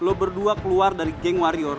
lo berdua keluar dari geng warrior